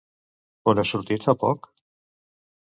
On ha sortit fa poc?